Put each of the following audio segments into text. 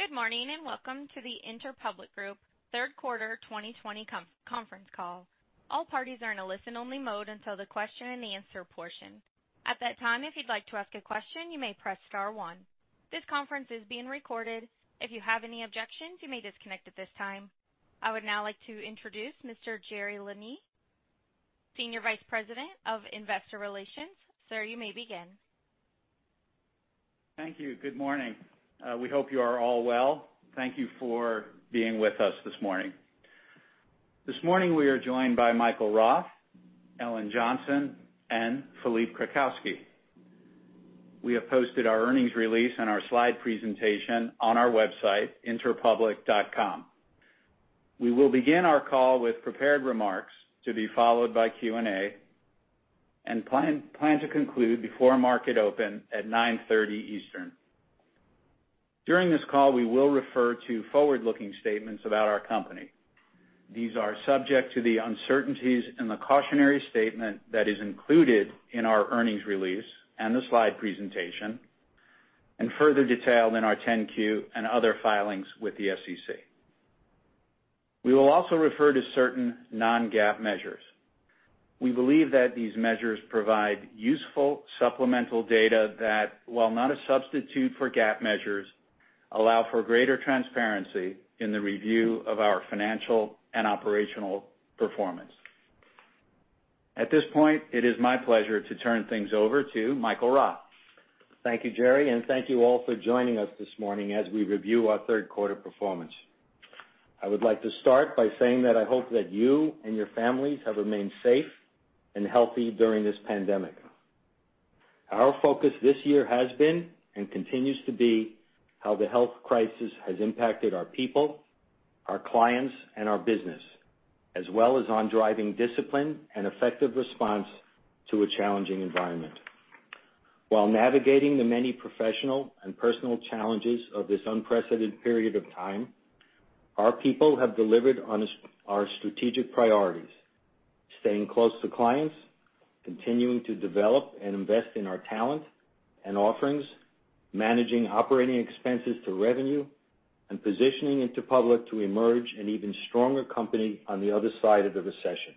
Good morning and welcome to the Interpublic Group Third Quarter 2020 Conference Call. All parties are in a listen-only mode until the question-and-answer portion. At that time, if you'd like to ask a question, you may press star one. This conference is being recorded. If you have any objections, you may disconnect at this time. I would now like to introduce Mr. Jerry Leshne, Senior Vice President of Investor Relations. Sir, you may begin. Thank you. Good morning. We hope you are all well. Thank you for being with us this morning. This morning, we are joined by Michael Roth, Ellen Johnson, and Philippe Krakowsky. We have posted our earnings release and our slide presentation on our website, interpublic.com. We will begin our call with prepared remarks to be followed by Q&A and plan to conclude before market open at 9:30 A.M. Eastern. During this call, we will refer to forward-looking statements about our company. These are subject to the uncertainties in the cautionary statement that is included in our earnings release and the slide presentation, and further detailed in our 10-Q and other filings with the SEC. We will also refer to certain non-GAAP measures. We believe that these measures provide useful supplemental data that, while not a substitute for GAAP measures, allow for greater transparency in the review of our financial and operational performance. At this point, it is my pleasure to turn things over to Michael Roth. Thank you, Jerry, and thank you all for joining us this morning as we review our third quarter performance. I would like to start by saying that I hope that you and your families have remained safe and healthy during this pandemic. Our focus this year has been and continues to be how the health crisis has impacted our people, our clients, and our business, as well as on driving discipline and effective response to a challenging environment. While navigating the many professional and personal challenges of this unprecedented period of time, our people have delivered on our strategic priorities: staying close to clients, continuing to develop and invest in our talent and offerings, managing operating expenses to revenue, and positioning Interpublic to emerge an even stronger company on the other side of the recession.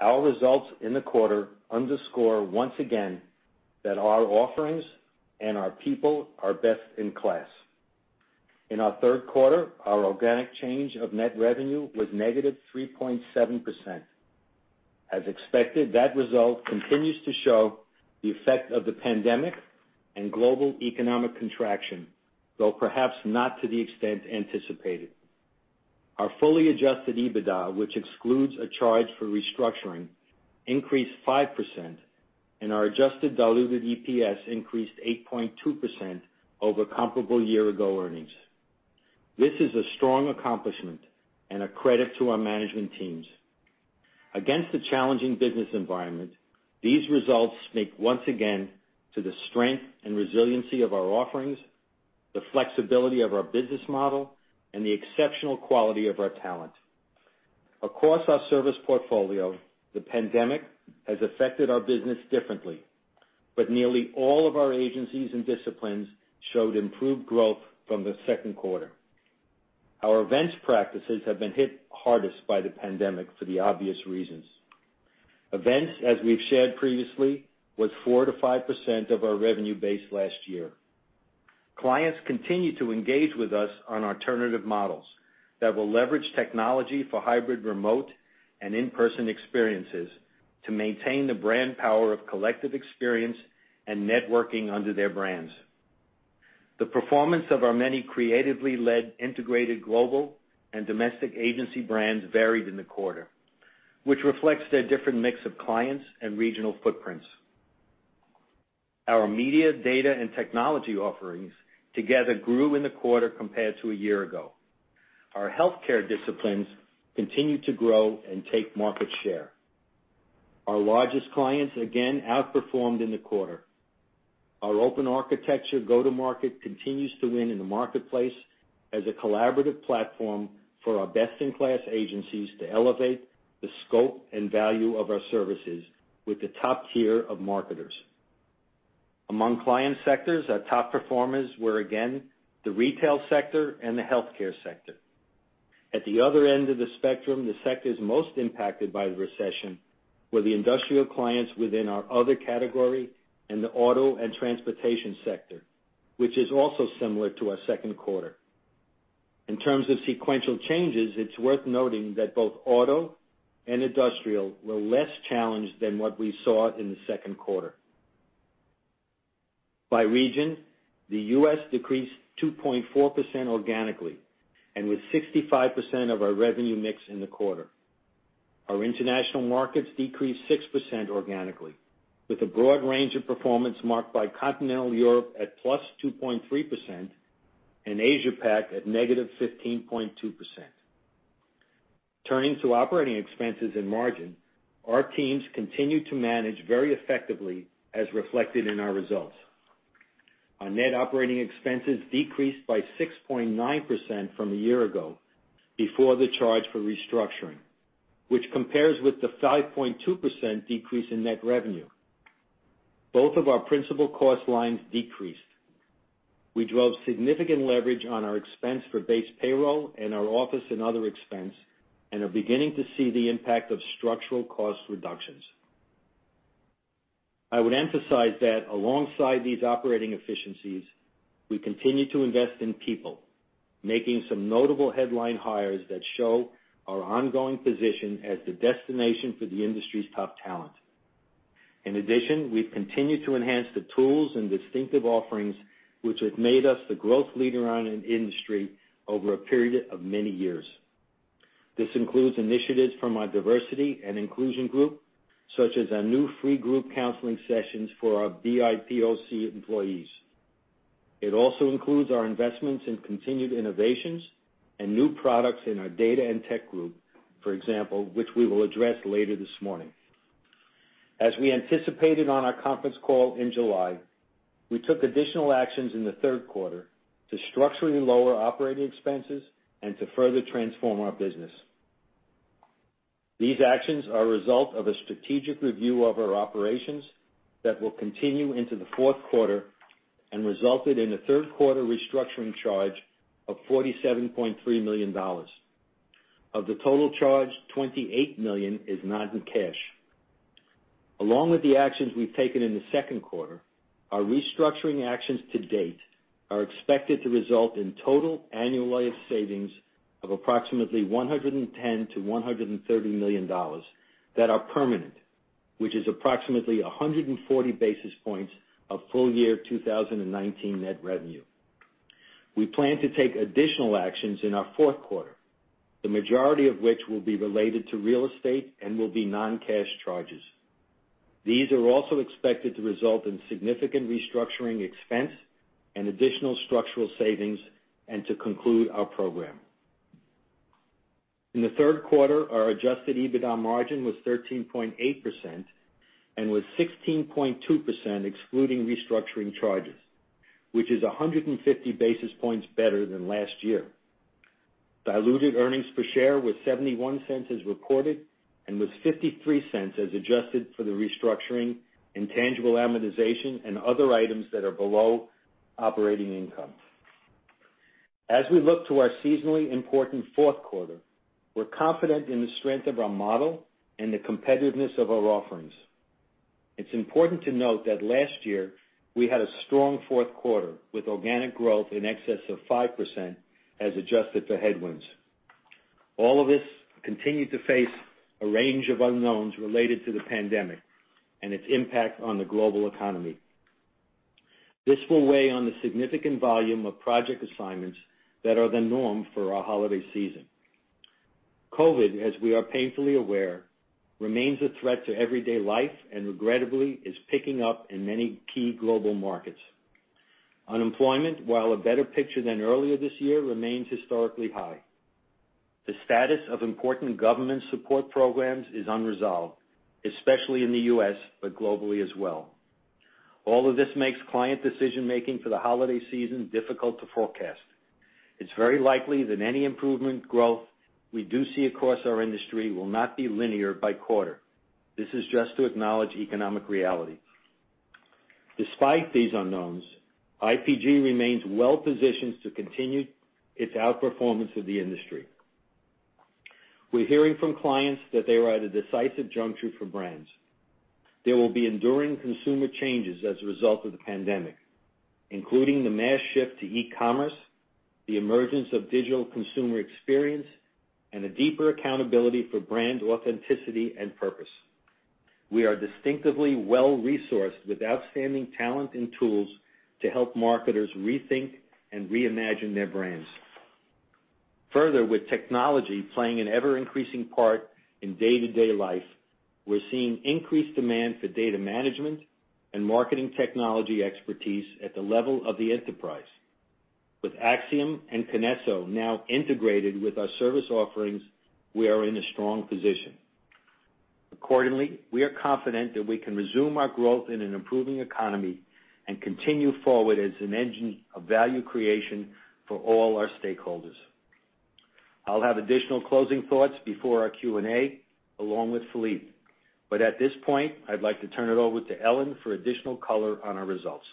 Our results in the quarter underscore once again that our offerings and our people are best in class. In our third quarter, our organic change of net revenue was negative 3.7%. As expected, that result continues to show the effect of the pandemic and global economic contraction, though perhaps not to the extent anticipated. Our fully adjusted EBITDA, which excludes a charge for restructuring, increased five%, and our adjusted diluted EPS increased 8.2% over comparable year-ago earnings. This is a strong accomplishment and a credit to our management teams. Against a challenging business environment, these results speak once again to the strength and resiliency of our offerings, the flexibility of our business model, and the exceptional quality of our talent. Across our service portfolio, the pandemic has affected our business differently, but nearly all of our agencies and disciplines showed improved growth from the second quarter. Our events practices have been hit hardest by the pandemic for the obvious reasons. Events, as we've shared previously, were 4% to 5% of our revenue base last year. Clients continue to engage with us on alternative models that will leverage technology for hybrid remote and in-person experiences to maintain the brand power of collective experience and networking under their brands. The performance of our many creatively led integrated global and domestic agency brands varied in the quarter, which reflects their different mix of clients and regional footprints. Our media, data, and technology offerings together grew in the quarter compared to a year ago. Our healthcare disciplines continued to grow and take market share. Our largest clients again outperformed in the quarter. Our open architecture go-to-market continues to win in the marketplace as a collaborative platform for our best-in-class agencies to elevate the scope and value of our services with the top tier of marketers. Among client sectors, our top performers were again the retail sector and the healthcare sector. At the other end of the spectrum, the sectors most impacted by the recession were the industrial clients within our other category and the auto and transportation sector, which is also similar to our second quarter. In terms of sequential changes, it's worth noting that both auto and industrial were less challenged than what we saw in the second quarter. By region, the U.S. decreased 2.4% organically and was 65% of our revenue mix in the quarter. Our international markets decreased 6% organically, with a broad range of performance marked by Continental Europe at plus 2.3% and Asia-Pac at negative 15.2%. Turning to operating expenses and margin, our teams continue to manage very effectively as reflected in our results. Our net operating expenses decreased by 6.9% from a year ago before the charge for restructuring, which compares with the 5.2% decrease in net revenue. Both of our principal cost lines decreased. We drove significant leverage on our expense for base payroll and our office and other expense and are beginning to see the impact of structural cost reductions. I would emphasize that alongside these operating efficiencies, we continue to invest in people, making some notable headline hires that show our ongoing position as the destination for the industry's top talent. In addition, we've continued to enhance the tools and distinctive offerings which have made us the growth leader in our industry over a period of many years. This includes initiatives from our diversity and inclusion group, such as our new free group counseling sessions for our BIPOC employees. It also includes our investments in continued innovations and new products in our data and tech group, for example, which we will address later this morning. As we anticipated on our conference call in July, we took additional actions in the third quarter to structurally lower operating expenses and to further transform our business. These actions are a result of a strategic review of our operations that will continue into the fourth quarter and resulted in a third quarter restructuring charge of $47.3 million. Of the total charge, $28 million is not in cash. Along with the actions we've taken in the second quarter, our restructuring actions to date are expected to result in total annual savings of approximately $110 million to $130 million that are permanent, which is approximately 140 basis points of full year 2019 net revenue. We plan to take additional actions in our fourth quarter, the majority of which will be related to real estate and will be non-cash charges. These are also expected to result in significant restructuring expense and additional structural savings and to conclude our program. In the third quarter, our adjusted EBITDA margin was 13.8% and was 16.2% excluding restructuring charges, which is 150 basis points better than last year. Diluted earnings per share was $0.71 as reported and was $0.53 as adjusted for the restructuring intangible amortization and other items that are below operating income. As we look to our seasonally important fourth quarter, we're confident in the strength of our model and the competitiveness of our offerings. It's important to note that last year we had a strong fourth quarter with organic growth in excess of 5% as adjusted for headwinds. All of this continued to face a range of unknowns related to the pandemic and its impact on the global economy. This will weigh on the significant volume of project assignments that are the norm for our holiday season. COVID, as we are painfully aware, remains a threat to everyday life and regrettably is picking up in many key global markets. Unemployment, while a better picture than earlier this year, remains historically high. The status of important government support programs is unresolved, especially in the U.S., but globally as well. All of this makes client decision-making for the holiday season difficult to forecast. It's very likely that any improvement growth we do see across our industry will not be linear by quarter. This is just to acknowledge economic reality. Despite these unknowns, IPG remains well-positioned to continue its outperformance of the industry. We're hearing from clients that they are at a decisive juncture for brands. There will be enduring consumer changes as a result of the pandemic, including the mass shift to e-commerce, the emergence of digital consumer experience, and a deeper accountability for brand authenticity and purpose. We are distinctively well-resourced with outstanding talent and tools to help marketers rethink and reimagine their brands. Further, with technology playing an ever-increasing part in day-to-day life, we're seeing increased demand for data management and marketing technology expertise at the level of the enterprise. With Acxiom and Kinesso now integrated with our service offerings, we are in a strong position. Accordingly, we are confident that we can resume our growth in an improving economy and continue forward as an engine of value creation for all our stakeholders. I'll have additional closing thoughts before our Q&A along with Philippe, but at this point, I'd like to turn it over to Ellen for additional color on our results.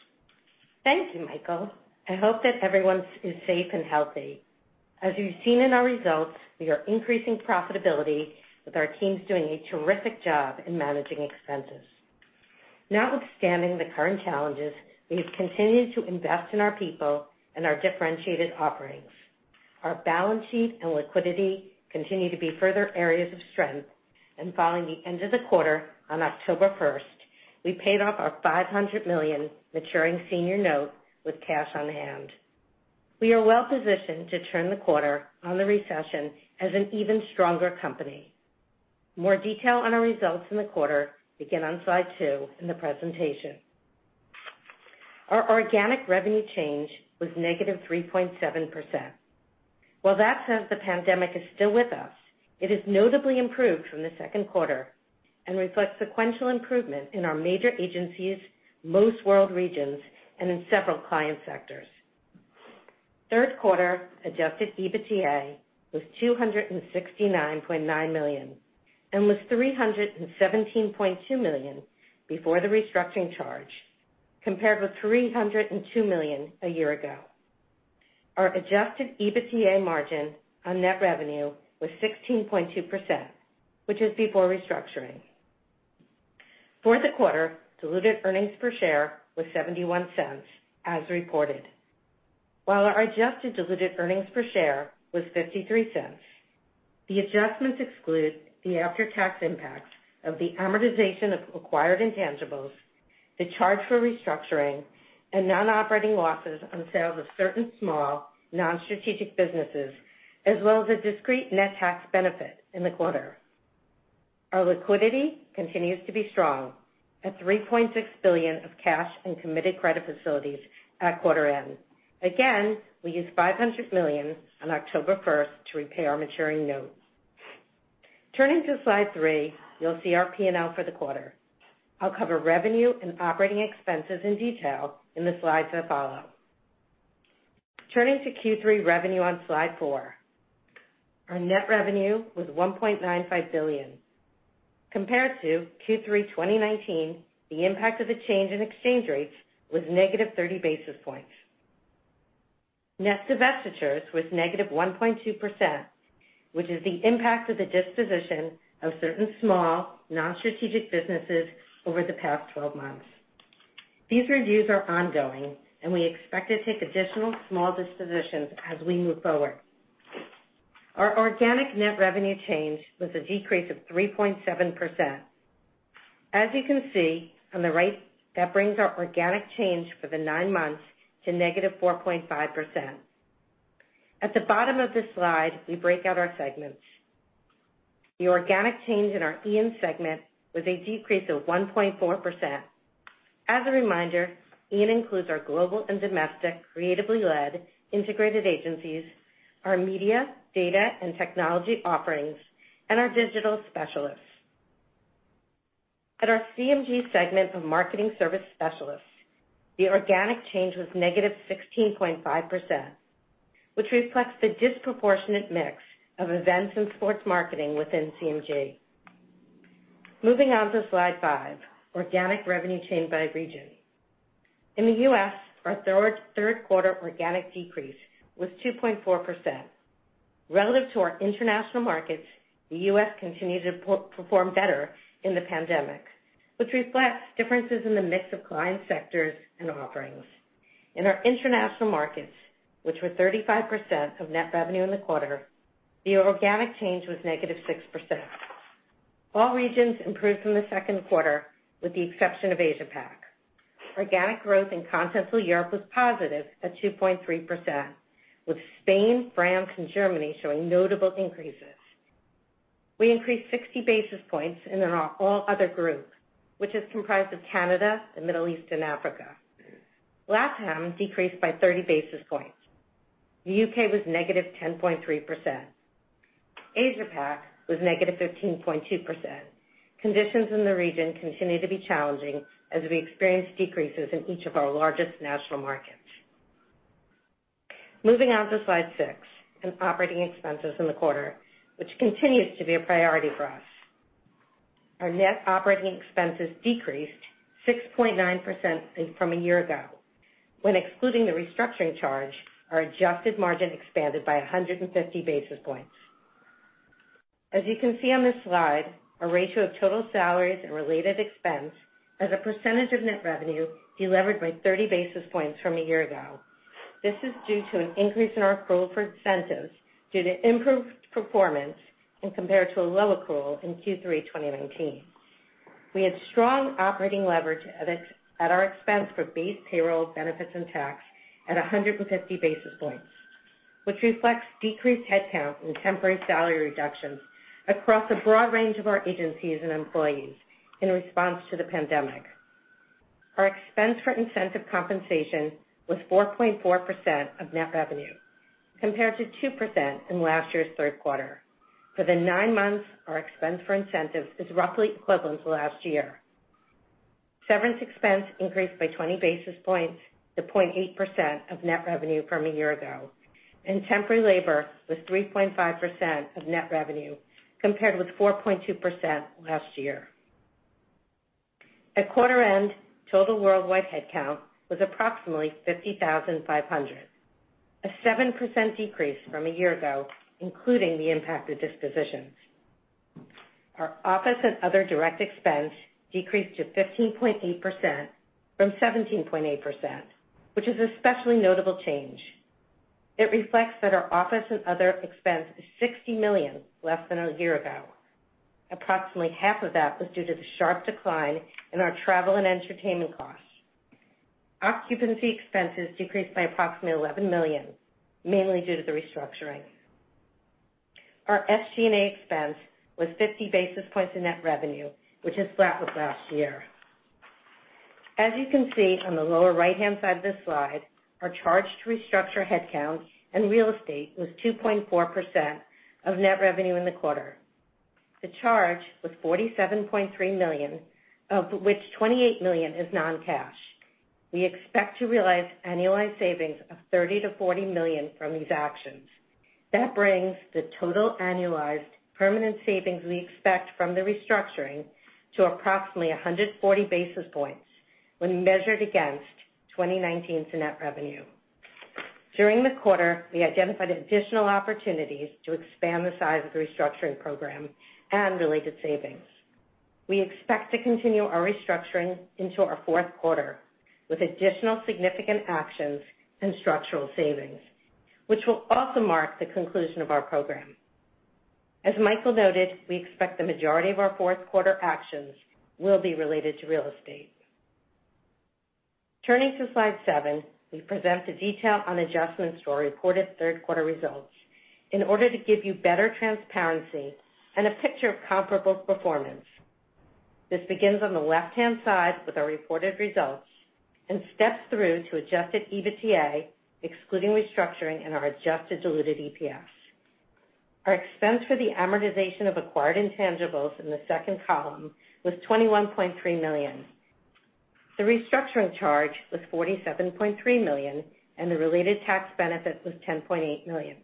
Thank you, Michael. I hope that everyone is safe and healthy. As you've seen in our results, we are increasing profitability with our teams doing a terrific job in managing expenses. Notwithstanding the current challenges, we have continued to invest in our people and our differentiated offerings. Our balance sheet and liquidity continue to be further areas of strength, and following the end of the quarter on October 1st, we paid off our $500 million maturing senior note with cash on hand. We are well-positioned to turn the corner on the recession as an even stronger company. More detail on our results in the quarter begin on slide two in the presentation. Our organic revenue change was negative 3.7%. While that says the pandemic is still with us, it is notably improved from the second quarter and reflects sequential improvement in our major agencies, most world regions, and in several client sectors. Third quarter adjusted EBITDA was $269.9 million and was $317.2 million before the restructuring charge, compared with $302 million a year ago. Our adjusted EBITDA margin on net revenue was 16.2%, which is before restructuring. Fourth quarter diluted earnings per share was $0.71 as reported, while our adjusted diluted earnings per share was $0.53. The adjustments exclude the after-tax impacts of the amortization of acquired intangibles, the charge for restructuring, and non-operating losses on sales of certain small non-strategic businesses, as well as a discrete net tax benefit in the quarter. Our liquidity continues to be strong at $3.6 billion of cash and committed credit facilities at quarter end. Again, we used $500 million on October 1st to repay our maturing note. Turning to slide three, you'll see our P&L for the quarter. I'll cover revenue and operating expenses in detail in the slides that follow. Turning to Q3 revenue on slide four, our net revenue was $1.95 billion compared to Q3 2019, the impact of the change in exchange rates was negative 30 basis points. Net divestitures was negative 1.2%, which is the impact of the disposition of certain small non-strategic businesses over the past 12 months. These reviews are ongoing, and we expect to take additional small dispositions as we move forward. Our organic net revenue change was a decrease of 3.7%. As you can see on the right, that brings our organic change for the nine months to negative 4.5%. At the bottom of this slide, we break out our segments. The organic change in our IAN segment was a decrease of 1.4%. As a reminder, IAN includes our global and domestic creatively led integrated agencies, our media, data, and technology offerings, and our digital specialists. At our CMG segment of marketing service specialists, the organic change was negative 16.5%, which reflects the disproportionate mix of events and sports marketing within CMG. Moving on to slide five, organic revenue change by region. In the U.S., our third quarter organic decrease was 2.4%. Relative to our international markets, the U.S. continued to perform better in the pandemic, which reflects differences in the mix of client sectors and offerings. In our international markets, which were 35% of net revenue in the quarter, the organic change was negative 6%. All regions improved from the second quarter with the exception of Asia-Pac. Organic growth in continental Europe was positive at 2.3%, with Spain, France, and Germany showing notable increases. We increased 60 basis points in all other groups, which is comprised of Canada, the Middle East, and Africa. LATAM decreased by 30 basis points. The U.K. was negative 10.3%. Asia-Pac was negative 15.2%. Conditions in the region continue to be challenging as we experience decreases in each of our largest national markets. Moving on to slide six and operating expenses in the quarter, which continues to be a priority for us. Our net operating expenses decreased 6.9% from a year ago. When excluding the restructuring charge, our adjusted margin expanded by 150 basis points. As you can see on this slide, our ratio of total salaries and related expense as a percentage of net revenue delivered by 30 basis points from a year ago. This is due to an increase in our accrual for incentives due to improved performance compared to a low accrual in Q3 2019. We had strong operating leverage at our expense for base payroll benefits and tax at 150 basis points, which reflects decreased headcount and temporary salary reductions across a broad range of our agencies and employees in response to the pandemic. Our expense for incentive compensation was 4.4% of net revenue compared to 2% in last year's third quarter. For the nine months, our expense for incentives is roughly equivalent to last year. Severance expense increased by 20 basis points to 0.8% of net revenue from a year ago, and temporary labor was 3.5% of net revenue compared with 4.2% last year. At quarter end, total worldwide headcount was approximately 50,500, a 7% decrease from a year ago, including the impact of dispositions. Our office and other direct expense decreased to 15.8% from 17.8%, which is an especially notable change. It reflects that our office and other expense is $60 million less than a year ago. Approximately half of that was due to the sharp decline in our travel and entertainment costs. Occupancy expenses decreased by approximately $11 million, mainly due to the restructuring. Our SG&A expense was 50 basis points of net revenue, which is flat with last year. As you can see on the lower right-hand side of this slide, our charge to restructure headcount and real estate was 2.4% of net revenue in the quarter. The charge was $47.3 million, of which $28 million is non-cash. We expect to realize annualized savings of $30 million to $40 million from these actions. That brings the total annualized permanent savings we expect from the restructuring to approximately 140 basis points when measured against 2019's net revenue. During the quarter, we identified additional opportunities to expand the size of the restructuring program and related savings. We expect to continue our restructuring into our fourth quarter with additional significant actions and structural savings, which will also mark the conclusion of our program. As Michael noted, we expect the majority of our fourth quarter actions will be related to real estate. Turning to slide seven, we present the detail on adjustments to our reported third quarter results in order to give you better transparency and a picture of comparable performance. This begins on the left-hand side with our reported results and steps through to adjusted EBITDA, excluding restructuring, and our adjusted diluted EPS. Our expense for the amortization of acquired intangibles in the second column was $21.3 million. The restructuring charge was $47.3 million, and the related tax benefit was $10.8 million.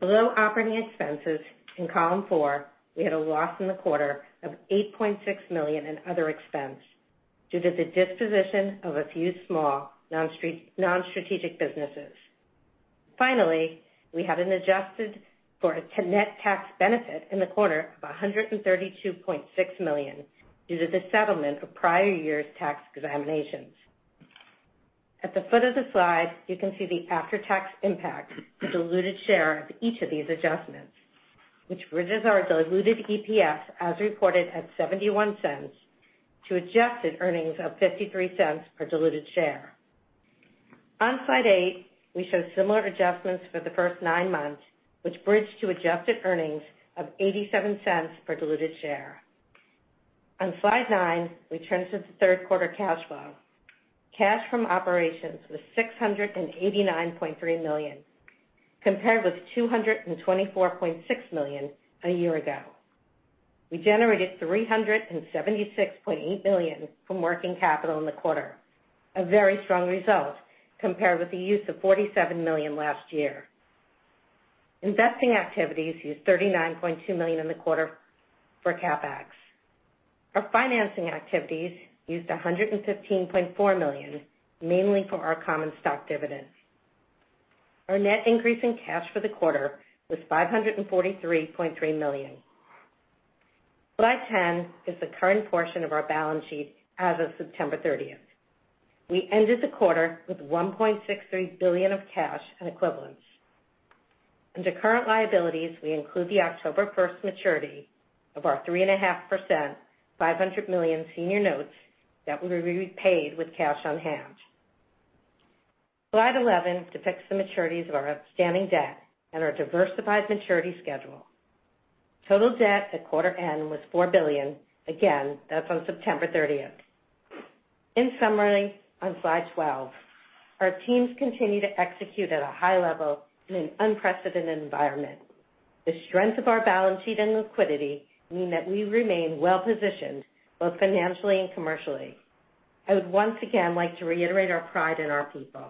Below operating expenses in column four, we had a loss in the quarter of $8.6 million in other expense due to the disposition of a few small non-strategic businesses. Finally, we had an adjusted net tax benefit in the quarter of $132.6 million due to the settlement of prior year's tax examinations. At the foot of the slide, you can see the after-tax impact, the diluted share of each of these adjustments, which bridges our diluted EPS as reported at $0.71 to adjusted earnings of $0.53 per diluted share. On slide eight, we show similar adjustments for the first nine months, which bridged to adjusted earnings of $0.87 per diluted share. On slide nine, we turn to the third quarter cash flow. Cash from operations was $689.3 million compared with $224.6 million a year ago. We generated $376.8 million from working capital in the quarter, a very strong result compared with the use of $47 million last year. Investing activities used $39.2 million in the quarter for CapEx. Our financing activities used $115.4 million, mainly for our common stock dividends. Our net increase in cash for the quarter was $543.3 million. Slide 10 is the current portion of our balance sheet as of September 30th. We ended the quarter with $1.63 billion of cash and equivalents. Under current liabilities, we include the October 1st maturity of our 3.5%, $500 million senior notes that were repaid with cash on hand. Slide 11 depicts the maturities of our outstanding debt and our diversified maturity schedule. Total debt at quarter end was $4 billion. Again, that's on September 30th. In summary, on slide 12, our teams continue to execute at a high level in an unprecedented environment. The strength of our balance sheet and liquidity mean that we remain well-positioned both financially and commercially. I would once again like to reiterate our pride in our people.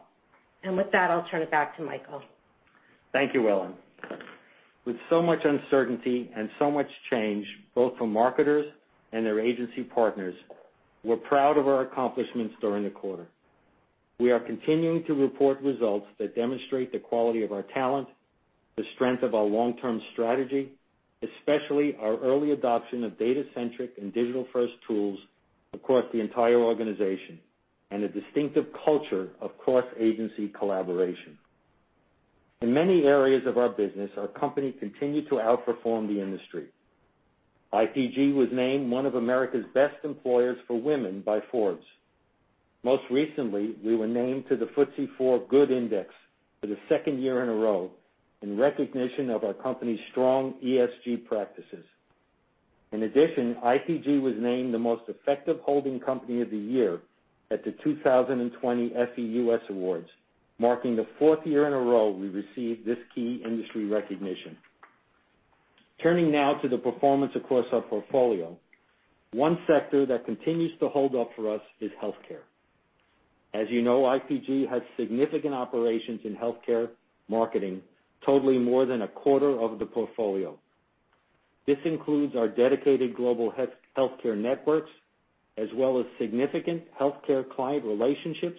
And with that, I'll turn it back to Michael. Thank you, Ellen. With so much uncertainty and so much change, both for marketers and their agency partners, we're proud of our accomplishments during the quarter. We are continuing to report results that demonstrate the quality of our talent, the strength of our long-term strategy, especially our early adoption of data-centric and digital-first tools across the entire organization, and a distinctive culture of cross-agency collaboration. In many areas of our business, our company continued to outperform the industry. IPG was named one of America's best employers for women by Forbes. Most recently, we were named to the FTSE4Good Index for the second year in a row in recognition of our company's strong ESG practices. In addition, IPG was named the most effective holding company of the year at the 2020 Effie Awards, marking the fourth year in a row we received this key industry recognition. Turning now to the performance across our portfolio, one sector that continues to hold up for us is healthcare. As you know, IPG has significant operations in healthcare marketing, totally more than a quarter of the portfolio. This includes our dedicated global healthcare networks, as well as significant healthcare client relationships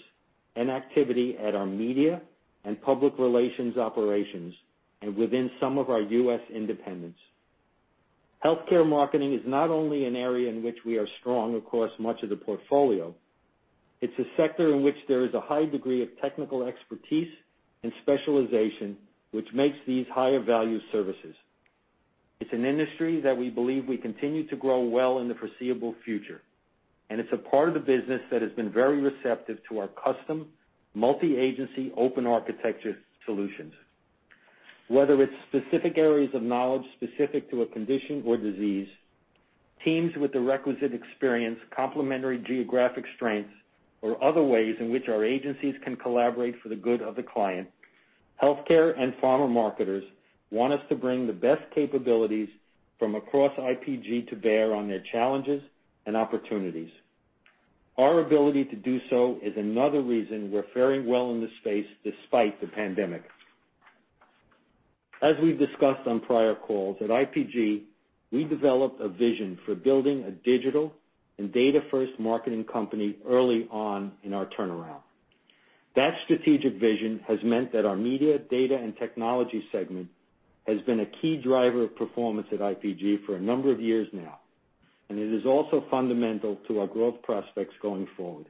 and activity at our media and public relations operations and within some of our U.S. independents. Healthcare marketing is not only an area in which we are strong across much of the portfolio. It's a sector in which there is a high degree of technical expertise and specialization, which makes these higher value services. It's an industry that we believe will continue to grow well in the foreseeable future, and it's a part of the business that has been very receptive to our custom multi-agency open architecture solutions. Whether it's specific areas of knowledge specific to a condition or disease, teams with the requisite experience, complementary geographic strengths, or other ways in which our agencies can collaborate for the good of the client, healthcare and pharma marketers want us to bring the best capabilities from across IPG to bear on their challenges and opportunities. Our ability to do so is another reason we're faring well in this space despite the pandemic. As we've discussed on prior calls, at IPG, we developed a vision for building a digital and data-first marketing company early on in our turnaround. That strategic vision has meant that our media, data, and technology segment has been a key driver of performance at IPG for a number of years now. And it is also fundamental to our growth prospects going forward.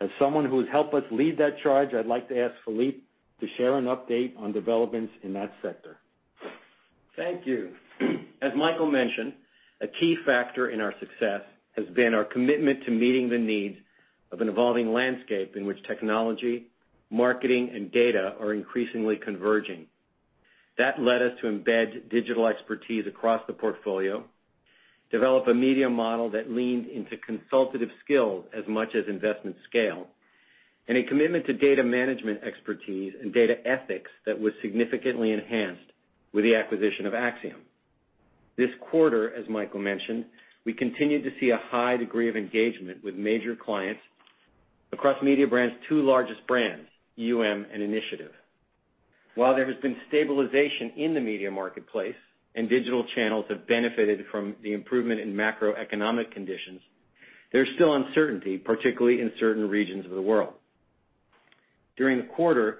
As someone who has helped us lead that charge, I'd like to ask Philippe to share an update on developments in that sector. Thank you. As Michael mentioned, a key factor in our success has been our commitment to meeting the needs of an evolving landscape in which technology, marketing, and data are increasingly converging. That led us to embed digital expertise across the portfolio, develop a media model that leaned into consultative skills as much as investment scale, and a commitment to data management expertise and data ethics that was significantly enhanced with the acquisition of Acxiom. This quarter, as Michael mentioned, we continued to see a high degree of engagement with major clients across Mediabrands two largest brands, UM and Initiative. While there has been stabilization in the media marketplace and digital channels have benefited from the improvement in macroeconomic conditions, there's still uncertainty, particularly in certain regions of the world. During the quarter,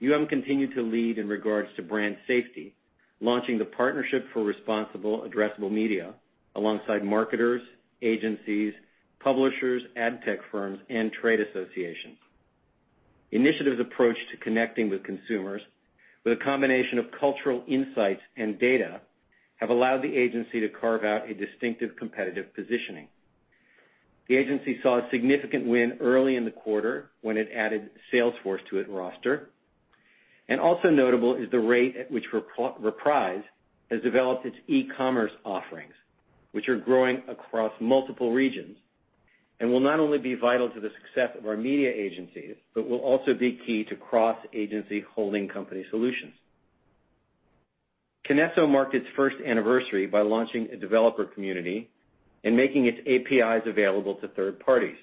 UM continued to lead in regards to brand safety, launching the Partnership for Responsible Addressable Media alongside marketers, agencies, publishers, ad tech firms, and trade associations. Initiative's approach to connecting with consumers with a combination of cultural insights and data has allowed the agency to carve out a distinctive competitive positioning. The agency saw a significant win early in the quarter when it added Salesforce to its roster, and also notable is the rate at which Reprise has developed its e-commerce offerings, which are growing across multiple regions and will not only be vital to the success of our media agencies, but will also be key to cross-agency holding company solutions. Kinesso marked its first anniversary by launching a developer community and making its APIs available to third parties.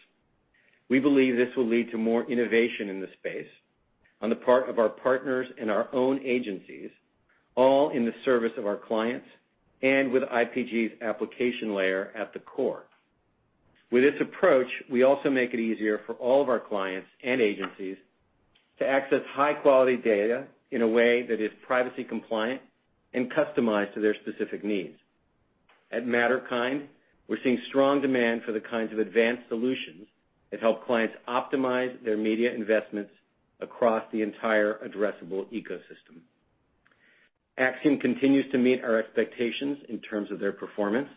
We believe this will lead to more innovation in the space on the part of our partners and our own agencies, all in the service of our clients and with IPG's application layer at the core. With this approach, we also make it easier for all of our clients and agencies to access high-quality data in a way that is privacy compliant and customized to their specific needs. At Matterkind, we're seeing strong demand for the kinds of advanced solutions that help clients optimize their media investments across the entire addressable ecosystem. Acxiom continues to meet our expectations in terms of their performance.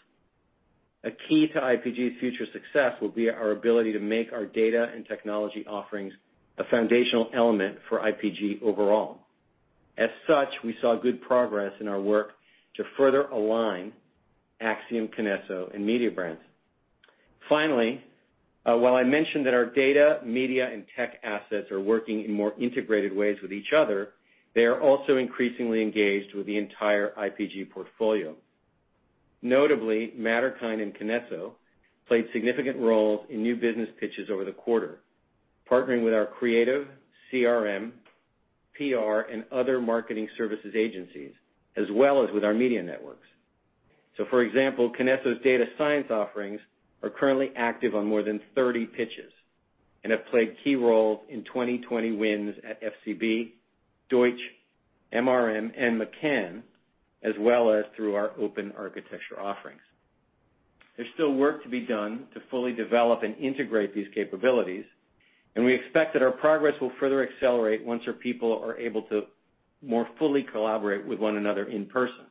A key to IPG's future success will be our ability to make our data and technology offerings a foundational element for IPG overall. As such, we saw good progress in our work to further align Acxiom, Kinesso, and media brands. Finally, while I mentioned that our data, media, and tech assets are working in more integrated ways with each other, they are also increasingly engaged with the entire IPG portfolio. Notably, Matterkind and Kinesso played significant roles in new business pitches over the quarter, partnering with our creative CRM, PR, and other marketing services agencies, as well as with our media networks. So, for example, Kinesso's data science offerings are currently active on more than 30 pitches and have played key roles in 2020 wins at FCB, Deutsch, MRM, and McCann, as well as through our open architecture offerings. There's still work to be done to fully develop and integrate these capabilities, and we expect that our progress will further accelerate once our people are able to more fully collaborate with one another in person.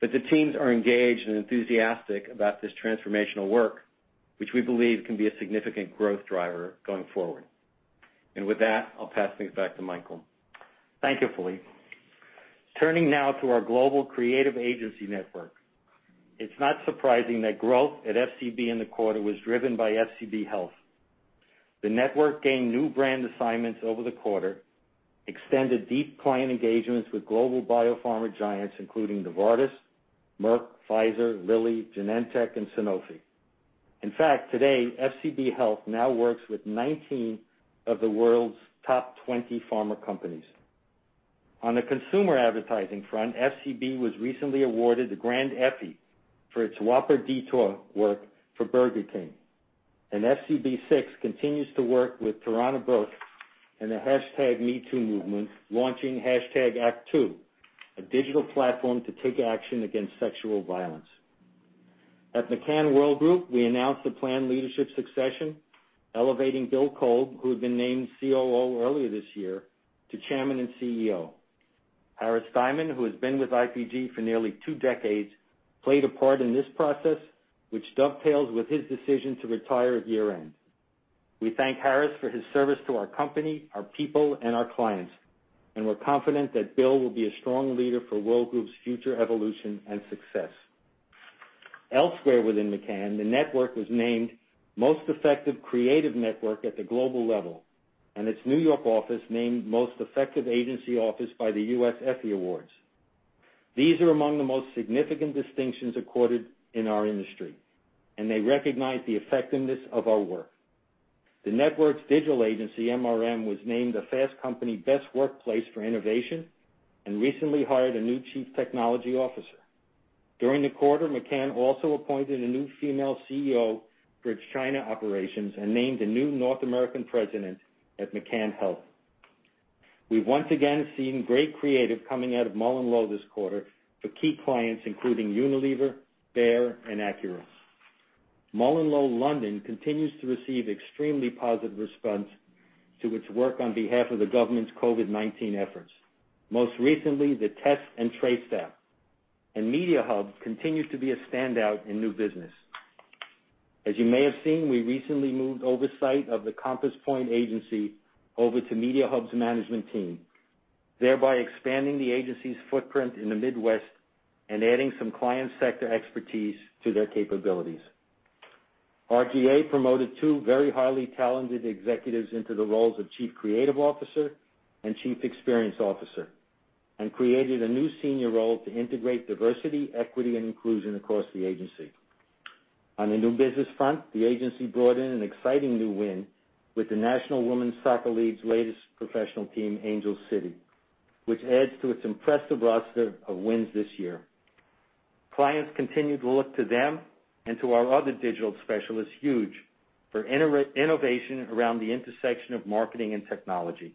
But the teams are engaged and enthusiastic about this transformational work, which we believe can be a significant growth driver going forward. And with that, I'll pass things back to Michael. Thank you, Philippe. Turning now to our global creative agency network, it's not surprising that growth at FCB in the quarter was driven by FCB Health. The network gained new brand assignments over the quarter, extended deep client engagements with global biopharma giants, including Novartis, Merck, Pfizer, Lilly, Genentech, and Sanofi. In fact, today, FCB Health now works with 19 of the world's top 20 pharma companies. On the consumer advertising front, FCB was recently awarded the Grand Effie for its Whopper Detour work for Burger King. And FCB/SIX continues to work with Tarana Burke and the #MeToo movement, launching Act Too, a digital platform to take action against sexual violence. At McCann Worldgroup, we announced the planned leadership succession, elevating Bill Kolb, who had been named COO earlier this year, to Chairman and CEO. Harris Diamond, who has been with IPG for nearly two decades, played a part in this process, which dovetails with his decision to retire at year-end. We thank Harris for his service to our company, our people, and our clients, and we're confident that Bill will be a strong leader for World Group's future evolution and success. Elsewhere within McCann, the network was named Most Effective Creative Network at the global level, and its New York office named Most Effective Agency Office by the U.S. Effie Awards. These are among the most significant distinctions accorded in our industry, and they recognize the effectiveness of our work. The network's digital agency, MRM, was named the Fast Company Best Workplace for Innovation and recently hired a new Chief Technology Officer. During the quarter, McCann also appointed a new female CEO for its China operations and named a new North American president at McCann Health. We've once again seen great creative coming out of MullenLowe this quarter for key clients, including Unilever, Bayer, and Acura. MullenLowe London continues to receive extremely positive response to its work on behalf of the government's COVID-19 efforts. Most recently, the NHS Test and Trace app and Mediahub continue to be a standout in new business. As you may have seen, we recently moved oversight of the Compass Point Media agency over to Mediahub's management team, thereby expanding the agency's footprint in the Midwest and adding some client sector expertise to their capabilities. R/GA promoted two very highly talented executives into the roles of Chief Creative Officer and Chief Experience Officer and created a new senior role to integrate diversity, equity, and inclusion across the agency. On the new business front, the agency brought in an exciting new win with the National Women's Soccer League's latest professional team, Angel City, which adds to its impressive roster of wins this year. Clients continue to look to them and to our other digital specialists Huge for innovation around the intersection of marketing and technology.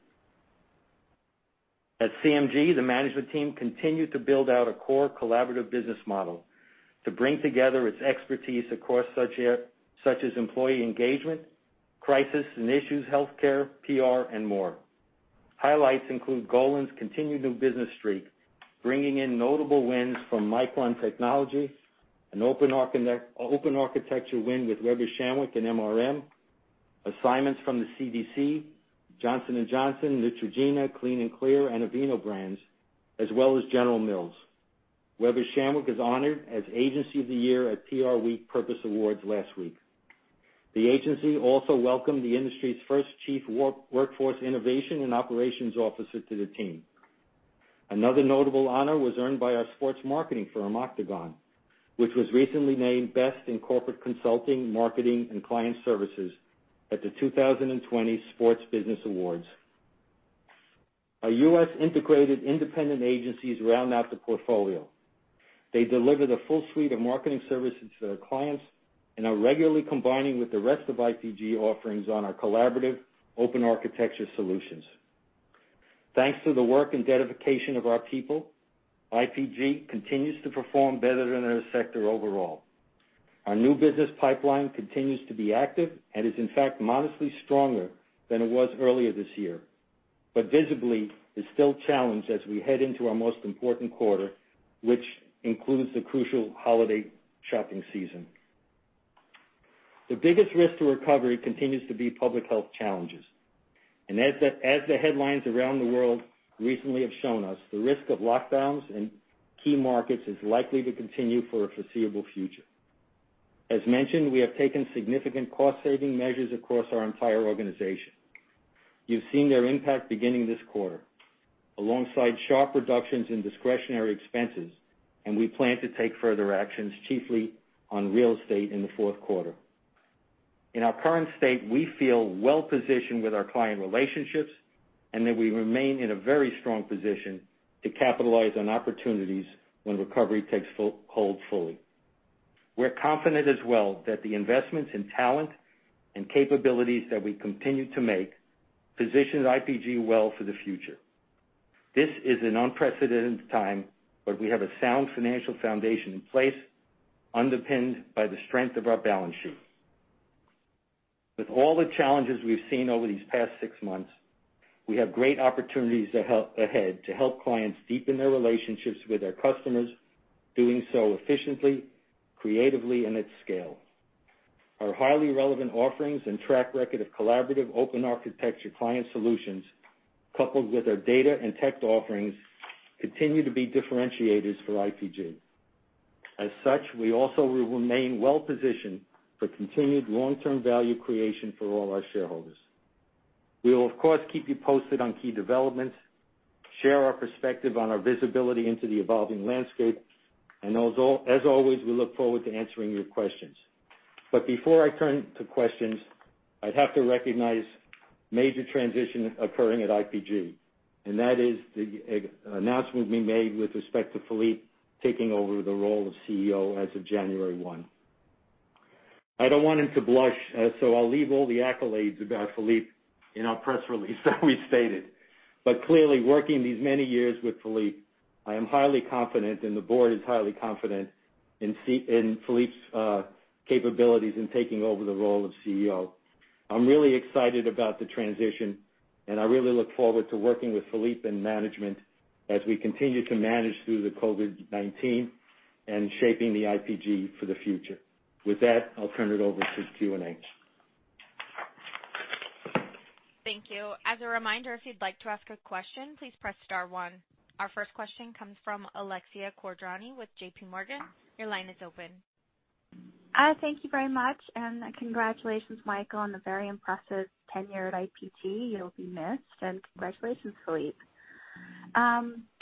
At CMG, the management team continued to build out a core collaborative business model to bring together its expertise across such as employee engagement, crisis and issues, healthcare, PR, and more. Highlights include Golin's continued new business streak, bringing in notable wins from Micron Technology, an open architecture win with Weber Shandwick and MRM, assignments from the CDC, Johnson & Johnson, Neutrogena, Clean & Clear, and Aveeno brands, as well as General Mills. Weber Shandwick is honored as Agency of the Year at PRWeek Purpose Awards last week. The agency also welcomed the industry's first Chief Workforce Innovation and Operations Officer to the team. Another notable honor was earned by our sports marketing firm, Octagon, which was recently named Best in Corporate Consulting, Marketing, and Client Services at the 2020 Sports Business Awards. Our U.S.-integrated independent agencies round out the portfolio. They deliver the full suite of marketing services to their clients and are regularly combining with the rest of IPG offerings on our collaborative open architecture solutions. Thanks to the work and dedication of our people, IPG continues to perform better than our sector overall. Our new business pipeline continues to be active and is, in fact, modestly stronger than it was earlier this year, but visibility is still challenged as we head into our most important quarter, which includes the crucial holiday shopping season. The biggest risk to recovery continues to be public health challenges, and as the headlines around the world recently have shown us, the risk of lockdowns in key markets is likely to continue for the foreseeable future. As mentioned, we have taken significant cost-saving measures across our entire organization. You've seen their impact beginning this quarter alongside sharp reductions in discretionary expenses, and we plan to take further actions chiefly on real estate in the fourth quarter. In our current state, we feel well-positioned with our client relationships and that we remain in a very strong position to capitalize on opportunities when recovery takes hold fully. We're confident as well that the investments in talent and capabilities that we continue to make position IPG well for the future. This is an unprecedented time, but we have a sound financial foundation in place underpinned by the strength of our balance sheet. With all the challenges we've seen over these past six months, we have great opportunities ahead to help clients deepen their relationships with their customers, doing so efficiently, creatively, and at scale. Our highly relevant offerings and track record of collaborative open architecture client solutions, coupled with our data and tech offerings, continue to be differentiators for IPG. As such, we also remain well-positioned for continued long-term value creation for all our shareholders. We will, of course, keep you posted on key developments, share our perspective on our visibility into the evolving landscape, and as always, we look forward to answering your questions. But before I turn to questions, I'd have to recognize a major transition occurring at IPG, and that is the announcement we made with respect to Philippe taking over the role of CEO as of January 1. I don't want him to blush, so I'll leave all the accolades about Philippe in our press release that we stated. But clearly, working these many years with Philippe, I am highly confident, and the board is highly confident in Philippe's capabilities in taking over the role of CEO. I'm really excited about the transition, and I really look forward to working with Philippe and management as we continue to manage through the COVID-19 and shaping the IPG for the future. With that, I'll turn it over to Q&A. Thank you. As a reminder, if you'd like to ask a question, please press star one. Our first question comes from Alexia Quadrani with J.P. Morgan. Your line is open. Thank you very much, and congratulations, Michael, on a very impressive tenure at IPG. You'll be missed, and congratulations, Philippe.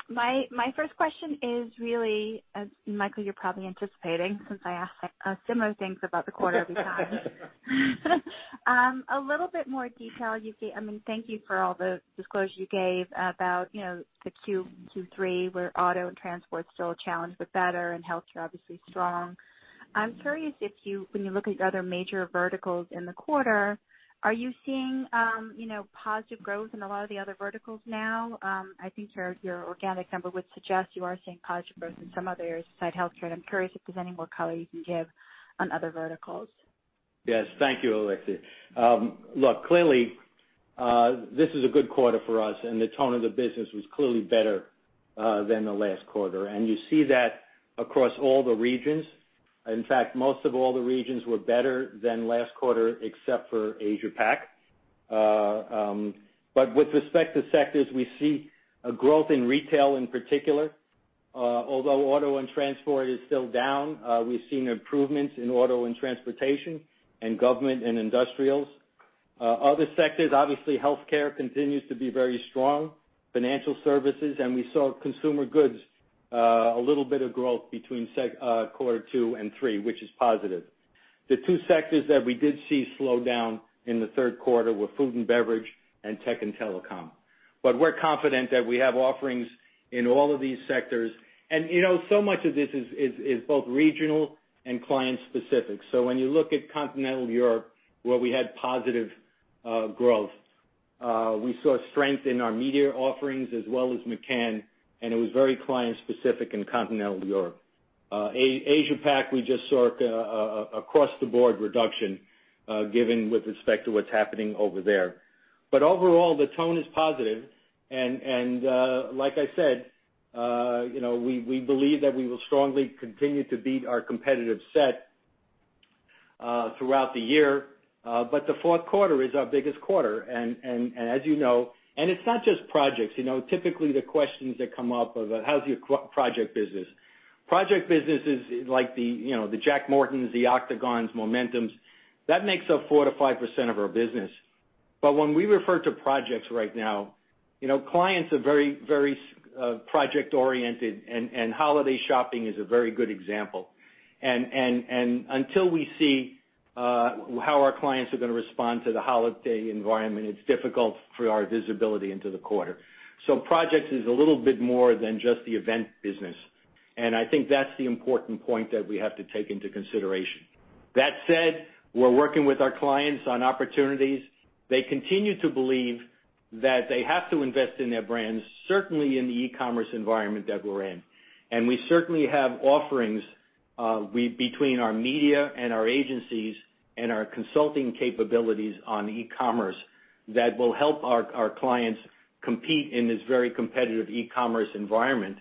My first question is really, as Michael, you're probably anticipating, since I asked similar things about the quarter every time. A little bit more detail, you gave, I mean, thank you for all the disclosure you gave about the Q2, Q3, where auto and transport is still a challenge, but better, and healthcare obviously strong. I'm curious if you, when you look at your other major verticals in the quarter, are you seeing positive growth in a lot of the other verticals now? I think your organic number would suggest you are seeing positive growth in some other areas besides healthcare. I'm curious if there's any more color you can give on other verticals. Yes, thank you, Alexia. Look, clearly, this is a good quarter for us, and the tone of the business was clearly better than the last quarter, and you see that across all the regions. In fact, most of all the regions were better than last quarter, except for Asia-Pac, but with respect to sectors, we see a growth in retail in particular. Although auto and transport is still down, we've seen improvements in auto and transportation and government and industrials. Other sectors, obviously, healthcare continues to be very strong, financial services, and we saw consumer goods a little bit of growth between quarter two and three, which is positive. The two sectors that we did see slow down in the third quarter were food and beverage and tech and telecom, but we're confident that we have offerings in all of these sectors, and so much of this is both regional and client-specific, so when you look at Continental Europe, where we had positive growth, we saw strength in our media offerings as well as McCann, and it was very client-specific in Continental Europe. Asia-Pac, we just saw across the board reduction given with respect to what's happening over there, but overall, the tone is positive, and like I said, we believe that we will strongly continue to beat our competitive set throughout the year. But the fourth quarter is our biggest quarter, and as you know, and it's not just projects. Typically, the questions that come up are about, "How's your project business?" Project businesses like the Jack Morton, the Octagon, Momentum, that makes up 4% to 5% of our business. But when we refer to projects right now, clients are very, very project-oriented, and holiday shopping is a very good example. And until we see how our clients are going to respond to the holiday environment, it's difficult for our visibility into the quarter. So projects is a little bit more than just the event business. And I think that's the important point that we have to take into consideration. That said, we're working with our clients on opportunities. They continue to believe that they have to invest in their brands, certainly in the e-commerce environment that we're in. And we certainly have offerings between our media and our agencies and our consulting capabilities on e-commerce that will help our clients compete in this very competitive e-commerce environment.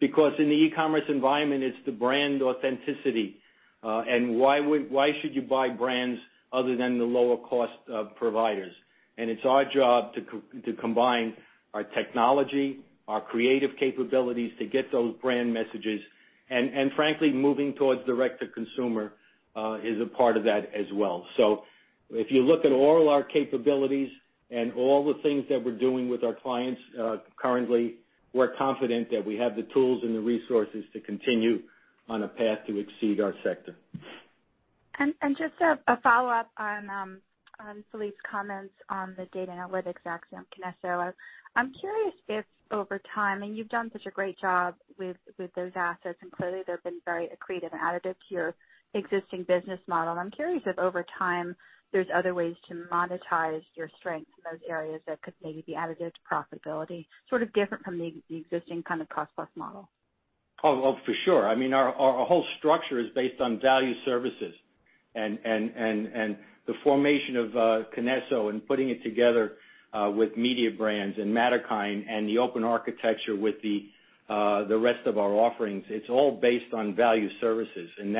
Because in the e-commerce environment, it's the brand authenticity. And why should you buy brands other than the lower-cost providers? And it's our job to combine our technology, our creative capabilities to get those brand messages. And frankly, moving towards direct-to-consumer is a part of that as well. So if you look at all our capabilities and all the things that we're doing with our clients currently, we're confident that we have the tools and the resources to continue on a path to exceed our sector. And just a follow-up on Philippe's comments on the data analytics Acxiom, Kinesso.I'm curious if over time, and you've done such a great job with those assets, and clearly they've been very accretive and additive to your existing business model, I'm curious if over time there's other ways to monetize your strength in those areas that could maybe be additive to profitability, sort of different from the existing kind of cost-plus model. Oh, for sure. I mean, our whole structure is based on value services. And the formation of Kinesso and putting it together with media brands and Matterkind and the open architecture with the rest of our offerings, it's all based on value services. And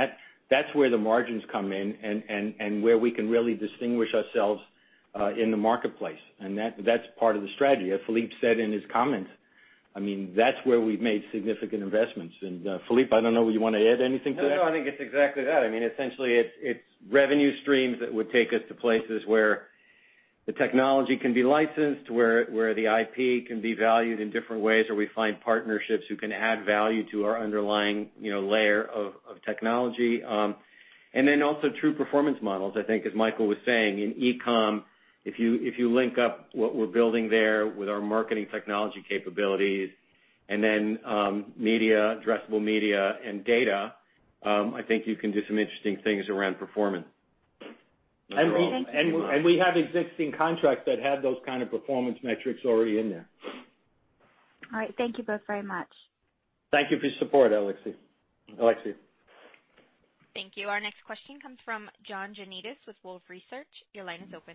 that's where the margins come in and where we can really distinguish ourselves in the marketplace. And that's part of the strategy. As Philippe said in his comments, I mean, that's where we've made significant investments. And Philippe, I don't know if you want to add anything to that. No, no. I think it's exactly that. I mean, essentially, it's revenue streams that would take us to places where the technology can be licensed, where the IP can be valued in different ways, or we find partnerships who can add value to our underlying layer of technology. And then also true performance models, I think, as Michael was saying. In e-com, if you link up what we're building there with our marketing technology capabilities and then media, addressable media, and data, I think you can do some interesting things around performance. And we have existing contracts that have those kind of performance metrics already in there. All right. Thank you both very much. Thank you for your support, Alexia. Alexia. Thank you. Our next question comes from John Janedis with Wolfe Research. Your line is open.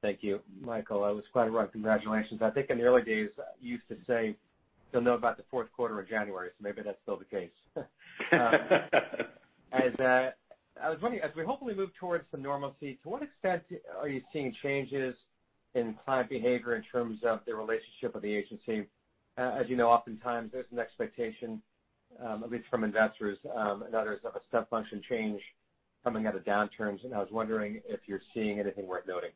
Thank you. Michael, that was quite a rough congratulations. I think in the early days, you used to say, "You'll know about the fourth quarter of January," so maybe that's still the case. As we hopefully move towards the normalcy, to what extent are you seeing changes in client behavior in terms of the relationship with the agency? As you know, oftentimes, there's an expectation, at least from investors and others, of a sea change coming out of downturns. And I was wondering if you're seeing anything worth noting.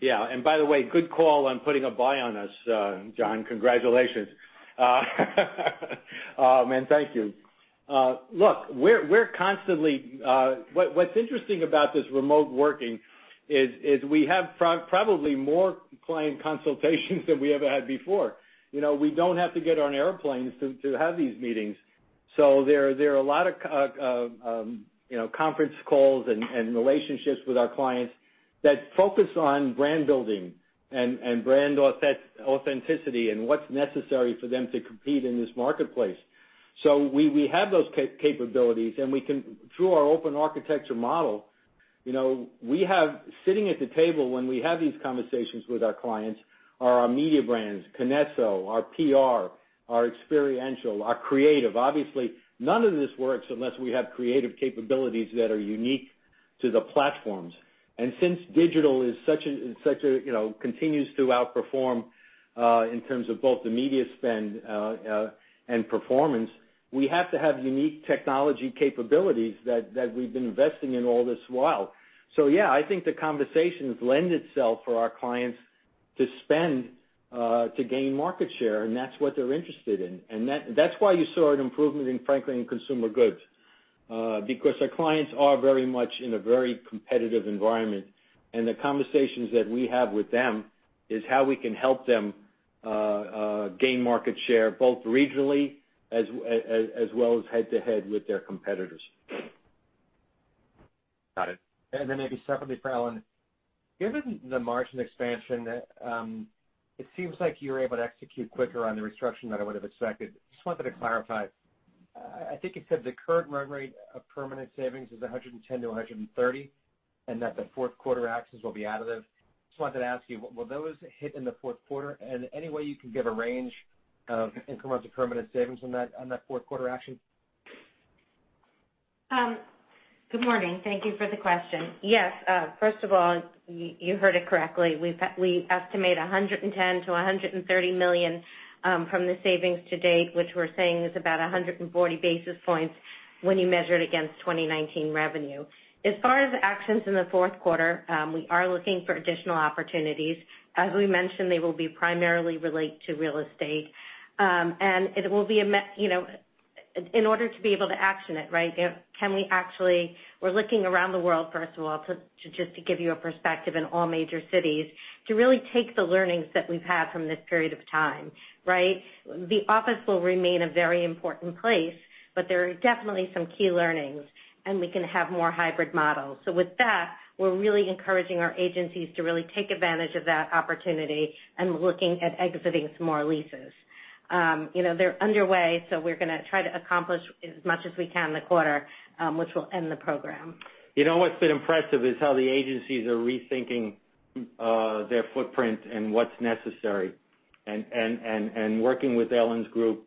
Yeah. And by the way, good call on putting a buy on us, John. Congratulations. And thank you. Look, what's interesting about this remote working is we have probably more client consultations than we ever had before. We don't have to get on airplanes to have these meetings. So there are a lot of conference calls and relationships with our clients that focus on brand building and brand authenticity and what's necessary for them to compete in this marketplace. So we have those capabilities, and through our open architecture model, we have sitting at the table, when we have these conversations with our clients, our media brands, Kinesso, our PR, our experiential, our creative. Obviously, none of this works unless we have creative capabilities that are unique to the platforms, and since digital continues to outperform in terms of both the media spend and performance, we have to have unique technology capabilities that we've been investing in all this while. So yeah, I think the conversations lend itself for our clients to spend to gain market share, and that's what they're interested in. That's why you saw an improvement in, frankly, in consumer goods, because our clients are very much in a very competitive environment. The conversations that we have with them is how we can help them gain market share both regionally as well as head-to-head with their competitors. Got it. Then maybe separately for Ellen, given the margin expansion, it seems like you're able to execute quicker on the restructuring than I would have expected. I just wanted to clarify. I think you said the current run rate of permanent savings is $110 million to $130 million, and that the fourth quarter actions will be additive. Just wanted to ask you, will those hit in the fourth quarter? And any way you can give a range of increments of permanent savings on that fourth quarter action? Good morning. Thank you for the question. Yes. First of all, you heard it correctly. We estimate $110 million to $130 million from the savings to date, which we're saying is about 140 basis points when you measure it against 2019 revenue. As far as actions in the fourth quarter, we are looking for additional opportunities. As we mentioned, they will be primarily related to real estate. And it will be in order to be able to action it, right? We're looking around the world, first of all, just to give you a perspective in all major cities to really take the learnings that we've had from this period of time, right? The office will remain a very important place, but there are definitely some key learnings, and we can have more hybrid models. So with that, we're really encouraging our agencies to really take advantage of that opportunity and looking at exiting some more leases. They're underway, so we're going to try to accomplish as much as we can in the quarter, which will end the program. You know what's been impressive is how the agencies are rethinking their footprint and what's necessary, and working with Ellen's group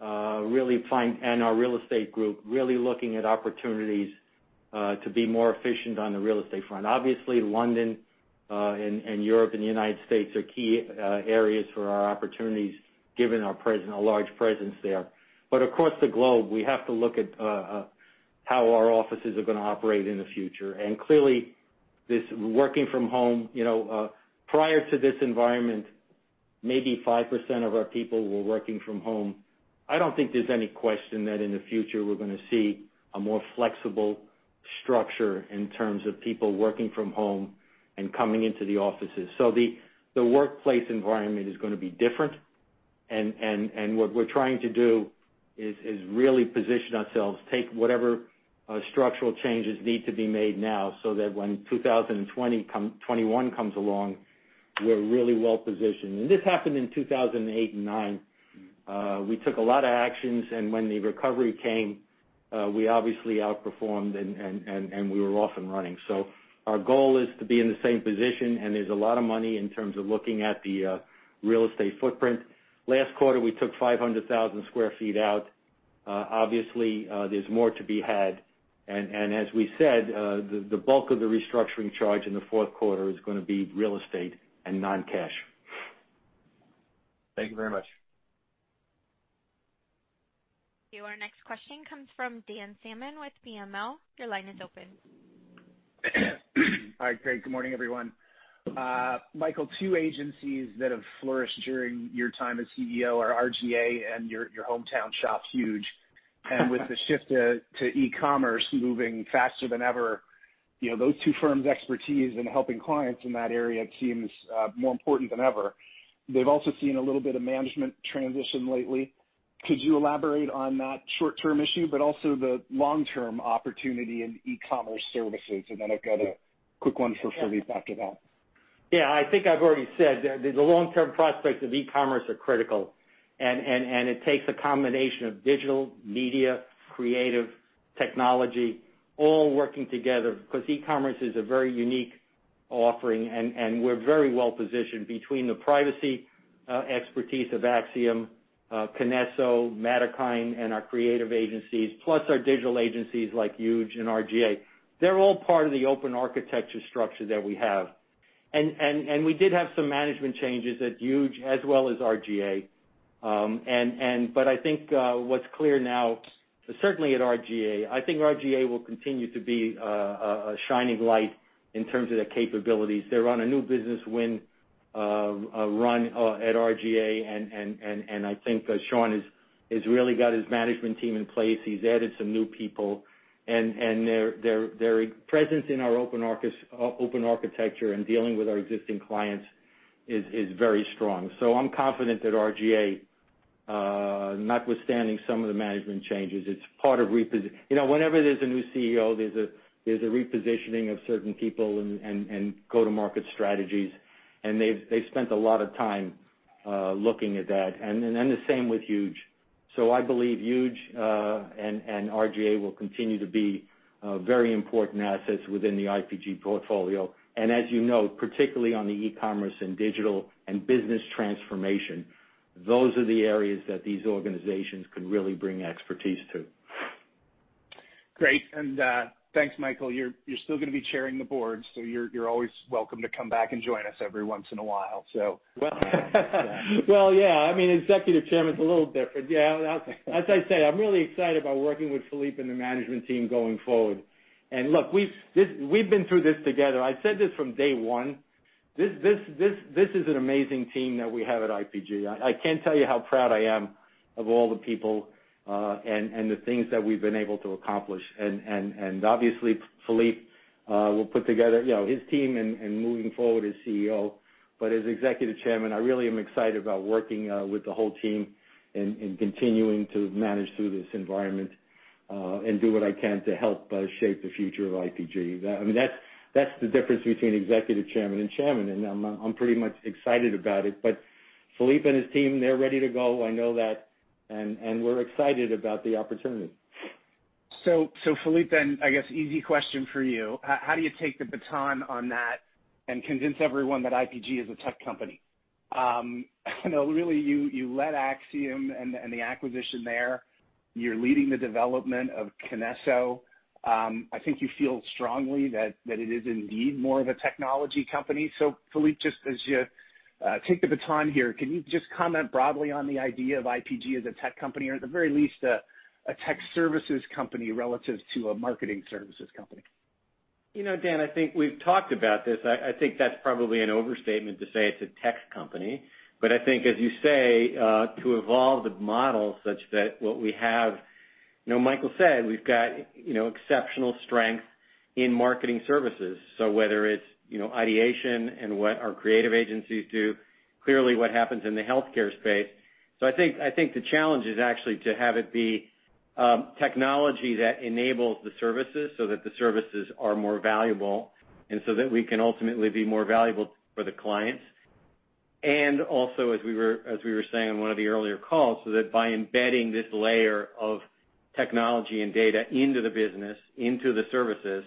really finding, and our real estate group really looking at opportunities to be more efficient on the real estate front. Obviously, London and Europe and the United States are key areas for our opportunities, given our large presence there, but across the globe, we have to look at how our offices are going to operate in the future. Clearly, this working from home, prior to this environment, maybe 5% of our people were working from home. I don't think there's any question that in the future we're going to see a more flexible structure in terms of people working from home and coming into the offices. So the workplace environment is going to be different. And what we're trying to do is really position ourselves, take whatever structural changes need to be made now so that when 2021 comes along, we're really well positioned. And this happened in 2008 and 2009. We took a lot of actions, and when the recovery came, we obviously outperformed, and we were off and running. So our goal is to be in the same position, and there's a lot of money in terms of looking at the real estate footprint. Last quarter, we took 500,000 sq ft out. Obviously, there's more to be had. And as we said, the bulk of the restructuring charge in the fourth quarter is going to be real estate and non-cash. Thank you very much. Our next question comes from Dan Salmon with BMO. Your line is open. All right. Great. Good morning, everyone. Michael, two agencies that have flourished during your time as CEO are R/GA and your hometown shop, Huge. And with the shift to e-commerce moving faster than ever, those two firms' expertise in helping clients in that area seems more important than ever. They've also seen a little bit of management transition lately. Could you elaborate on that short-term issue, but also the long-term opportunity in e-commerce services? And then I've got a quick one for Philippe after that. Yeah. I think I've already said that the long-term prospects of e-commerce are critical. And it takes a combination of digital, media, creative, technology, all working together because e-commerce is a very unique offering. And we're very well positioned between the privacy expertise of Acxiom, Kinesso, Matterkind, and our creative agencies, plus our digital agencies like Huge and R/GA. They're all part of the open architecture structure that we have. We did have some management changes at Huge as well as R/GA. But I think what's clear now, certainly at R/GA, I think R/GA will continue to be a shining light in terms of their capabilities. They're on a new business win run at R/GA. And I think Sean has really got his management team in place. He's added some new people. And their presence in our open architecture and dealing with our existing clients is very strong. So I'm confident that R/GA, notwithstanding some of the management changes, it's part of. Whenever there's a new CEO, there's a repositioning of certain people and go-to-market strategies. And they've spent a lot of time looking at that. And then the same with Huge. So I believe Huge and R/GA will continue to be very important assets within the IPG portfolio. And as you know, particularly on the e-commerce and digital and business transformation, those are the areas that these organizations can really bring expertise to. Great. And thanks, Michael. You're still going to be chairing the board, so you're always welcome to come back and join us every once in a while, so. Well, yeah. I mean, Executive Chairman is a little different. Yeah. As I say, I'm really excited about working with Philippe and the management team going forward. And look, we've been through this together. I said this from day one. This is an amazing team that we have at IPG. I can't tell you how proud I am of all the people and the things that we've been able to accomplish. And obviously, Philippe will put together his team and moving forward as CEO. But as executive chairman, I really am excited about working with the whole team and continuing to manage through this environment and do what I can to help shape the future of IPG. I mean, that's the difference between executive chairman and chairman. And I'm pretty much excited about it. But Philippe and his team, they're ready to go. I know that. And we're excited about the opportunity. So Philippe, then easy question for you. How do you take the baton on that and convince everyone that IPG is a tech company? I know really you led Acxiom and the acquisition there. You're leading the development of Kinesso. I think you feel strongly that it is indeed more of a technology company. So Philippe, just as you take the baton here, can you just comment broadly on the idea of IPG as a tech company or at the very least a tech services company relative to a marketing services company? You know, Dan, I think we've talked about this. I think that's probably an overstatement to say it's a tech company. But I think, as you say, to evolve the model such that what we have. Michael said we've got exceptional strength in marketing services. So whether it's ideation and what our creative agencies do, clearly what happens in the healthcare space. So I think the challenge is actually to have it be technology that enables the services so that the services are more valuable and so that we can ultimately be more valuable for the clients. And also, as we were saying on one of the earlier calls, so that by embedding this layer of technology and data into the business, into the services,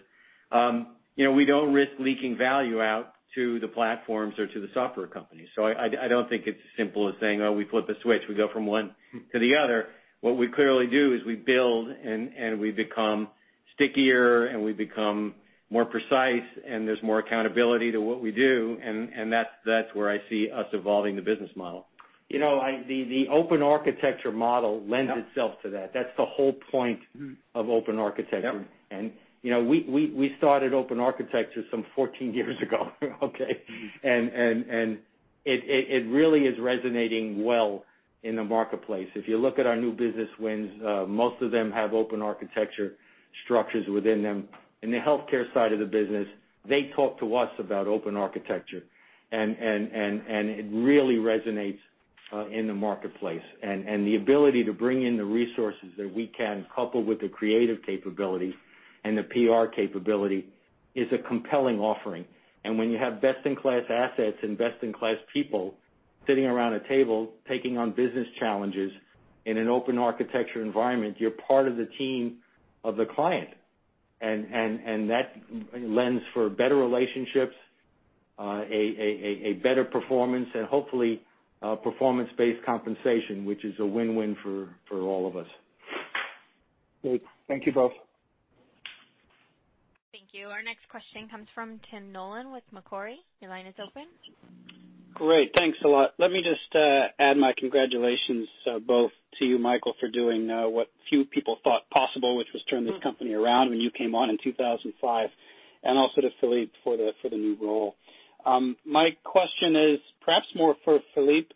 we don't risk leaking value out to the platforms or to the software companies. So I don't think it's as simple as saying, "Oh, we flip a switch. We go from one to the other." What we clearly do is we build and we become stickier and we become more precise, and there's more accountability to what we do. And that's where I see us evolving the business model. The open architecture model lends itself to that. That's the whole point of open architecture. And we started open architecture some 14 years ago, okay? And it really is resonating well in the marketplace. If you look at our new business wins, most of them have open architecture structures within them. In the healthcare side of the business, they talk to us about open architecture. And it really resonates in the marketplace. And the ability to bring in the resources that we can couple with the creative capability and the PR capability is a compelling offering. And when you have best-in-class assets and best-in-class people sitting around a table taking on business challenges in an open architecture environment, you're part of the team of the client. And that lends for better relationships, a better performance, and hopefully performance-based compensation, which is a win-win for all of us. Great. Thank you both. Thank you. Our next question comes from Tim Nollen with Macquarie. Your line is open. Great. Thanks a lot. Let me just add my congratulations both to you, Michael, for doing what few people thought possible, which was turn this company around when you came on in 2005, and also to Philippe for the new role. My question is perhaps more for Philippe,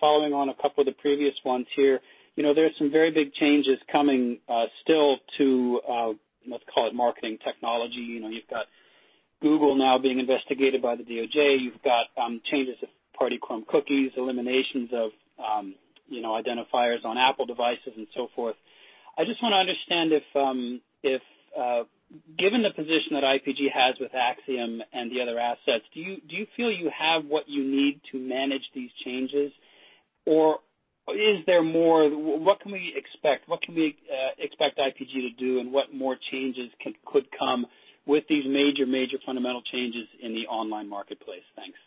following on a couple of the previous ones here. There are some very big changes coming still to, let's call it, marketing technology. You've got Google now being investigated by the DOJ. You've got changes to third-party Chrome cookies, eliminations of identifiers on Apple devices, and so forth. I just want to understand if, given the position that IPG has with Acxiom and the other assets, do you feel you have what you need to manage these changes? Or is there more? What can we expect? What can we expect IPG to do, and what more changes could come with these major, major fundamental changes in the online marketplace? Thanks.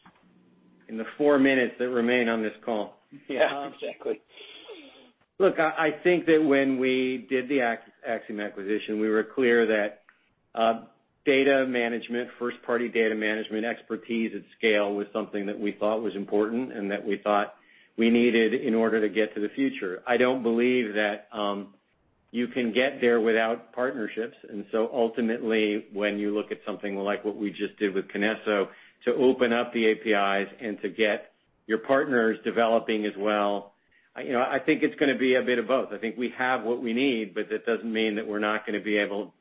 In the four minutes that remain on this call. Yeah, exactly. Look, I think that when we did the Acxiom acquisition, we were clear that data management, first-party data management expertise at scale was something that we thought was important and that we thought we needed in order to get to the future. I don't believe that you can get there without partnerships. And so ultimately, when you look at something like what we just did with Kinesso to open up the APIs and to get your partners developing as well, I think it's going to be a bit of both. I think we have what we need, but that doesn't mean that we're not going to be able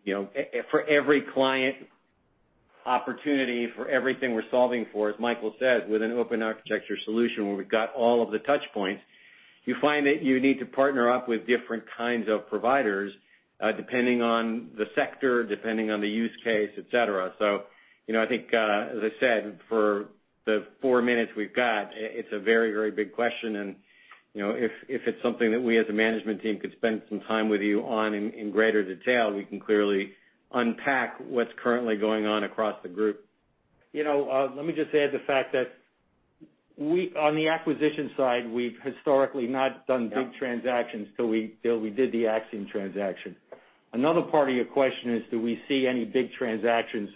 for every client opportunity for everything we're solving for, as Michael said, with an open architecture solution where we've got all of the touchpoints, you find that you need to partner up with different kinds of providers depending on the sector, depending on the use case, etc. So I think, as I said, for the four minutes we've got, it's a very, very big question. And if it's something that we as a management team could spend some time with you on in greater detail, we can clearly unpack what's currently going on across the group. Let me just add the fact that on the acquisition side, we've historically not done big transactions until we did the Acxiom transaction. Another part of your question is, do we see any big transactions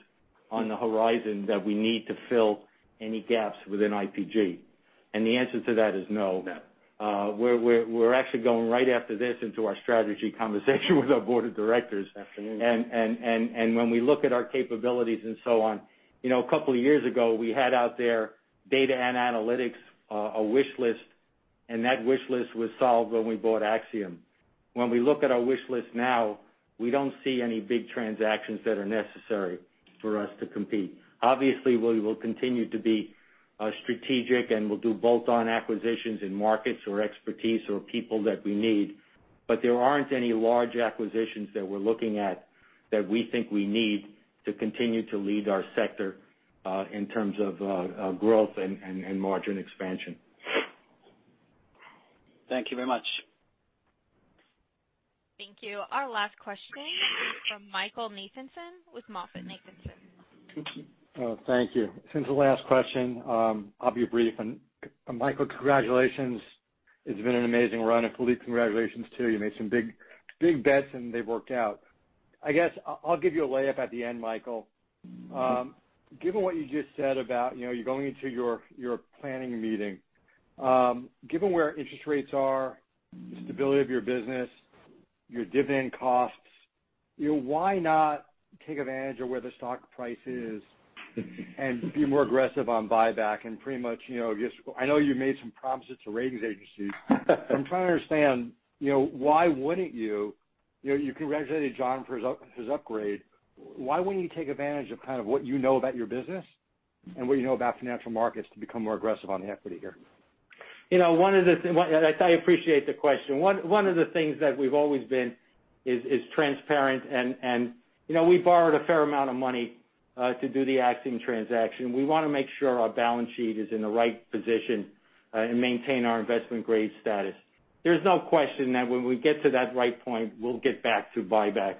on the horizon that we need to fill any gaps within IPG? And the answer to that is no. We're actually going right after this into our strategy conversation with our board of directors. And when we look at our capabilities and so on, a couple of years ago, we had out there data and analytics, a wish list, and that wish list was solved when we bought Acxiom. When we look at our wish list now, we don't see any big transactions that are necessary for us to compete. Obviously, we will continue to be strategic, and we'll do bolt-on acquisitions in markets or expertise or people that we need. There aren't any large acquisitions that we're looking at that we think we need to continue to lead our sector in terms of growth and margin expansion. Thank you very much. Thank you. Our last question is from Michael Nathanson with MoffettNathanson. Thank you. This is the last question. I'll be brief. Michael, congratulations. It's been an amazing run. Philippe, congratulations too. You made some big bets, and they've worked out. I'll give you a layup at the end, Michael. Given what you just said about you're going into your planning meeting, given where interest rates are, the stability of your business, your dividend costs, why not take advantage of where the stock price is and be more aggressive on buyback and pretty much just, I know you made some promises to ratings agencies? I'm trying to understand why wouldn't you. You congratulated John for his upgrade. Why wouldn't you take advantage of kind of what you know about your business and what you know about financial markets to become more aggressive on the equity here? One of the things, I appreciate the question. One of the things that we've always been is transparent, and we borrowed a fair amount of money to do the Acxiom transaction. We want to make sure our balance sheet is in the right position and maintain our investment-grade status. There's no question that when we get to that right point, we'll get back to buybacks,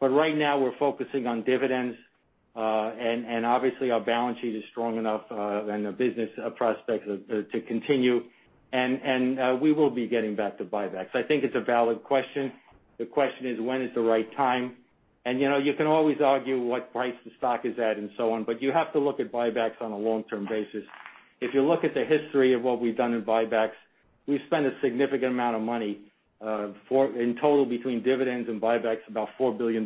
but right now, we're focusing on dividends, and obviously, our balance sheet is strong enough and the business prospects to continue, and we will be getting back to buybacks. I think it's a valid question. The question is, when is the right time? And you can always argue what price the stock is at and so on, but you have to look at buybacks on a long-term basis. If you look at the history of what we've done in buybacks, we've spent a significant amount of money in total between dividends and buybacks, about $4 billion.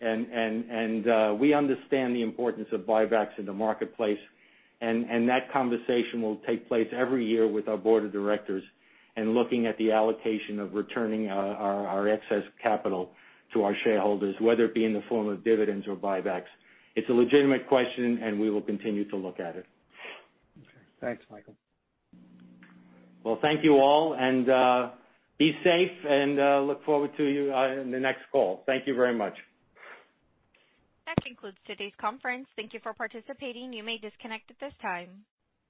And we understand the importance of buybacks in the marketplace. And that conversation will take place every year with our board of directors and looking at the allocation of returning our excess capital to our shareholders, whether it be in the form of dividends or buybacks. It's a legitimate question, and we will continue to look at it. Okay. Thanks, Michael. Well, thank you all. And be safe, and look forward to you in the next call. Thank you very much. That concludes today's conference. Thank you for participating. You may disconnect at this time.